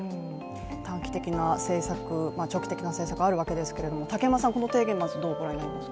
短期的な政策、長期的な政策があるわけですけれども竹山さん、この提言、まずどうご覧になります？